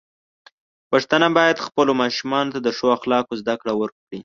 پښتانه بايد خپلو ماشومانو ته د ښو اخلاقو زده کړه ورکړي.